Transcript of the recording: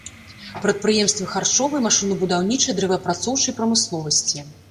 Прадпрыемствы харчовай, машынабудаўнічай, дрэваапрацоўчай прамысловасці.